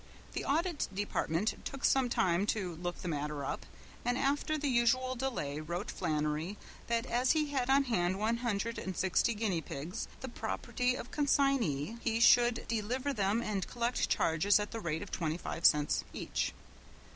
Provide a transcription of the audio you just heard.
The Audit Department took some time to look the matter up, and after the usual delay wrote Flannery that as he had on hand one hundred and sixty guinea pigs, the property of consignee, he should deliver them and collect charges at the rate of twenty five cents each.